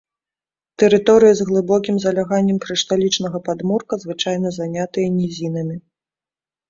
Тэрыторыі з глыбокім заляганнем крышталічнага падмурка звычайна занятыя нізінамі.